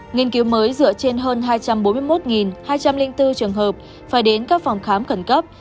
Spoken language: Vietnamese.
nghiên cứu mới dựa trên hơn hai trăm bốn mươi một hai trăm linh bốn trường hợp phải đến các phòng khám khẩn cấp